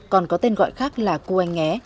còn có tên gọi khác là cô anh nghé